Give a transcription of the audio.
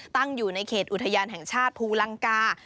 ตั้งอยู่ในเขตอุทยานแห่งชาติภูลังกา